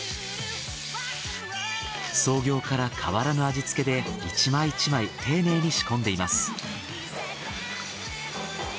創業から変わらぬ味付けで１枚１枚丁寧に仕込んでいます。